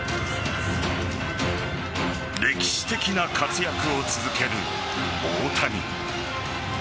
歴史的な活躍を続ける大谷。